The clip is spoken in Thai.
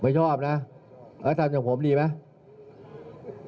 ไม่ชอบนะแล้วทำอย่างผมดีไหม